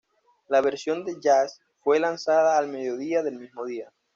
La versión de jazz fue lanzada al mediodía del mismo día.